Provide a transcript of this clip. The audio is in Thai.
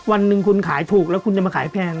วันหนึ่งคุณขายถูกแล้วคุณจะมาขายแพง